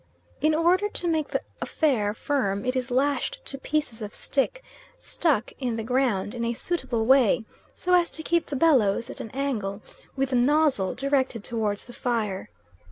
In order to make the affair firm it is lashed to pieces of stick stuck in the ground in a suitable way so as to keep the bellows at an angle with the nozzle directed towards the fire.